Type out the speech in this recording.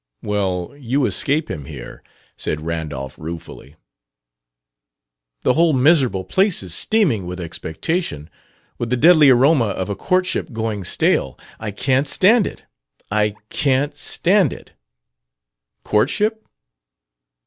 "Well, you escape him here," said Randolph ruefully. "The whole miserable place is steaming with expectation, with the deadly aroma of a courtship going stale. I can't stand it! I can't stand it!" "Courtship?"